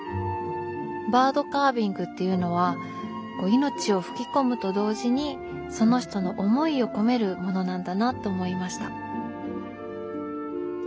バードカービングっていうのは命を吹き込むと同時にその人の思いを込めるものなんだなと思いました。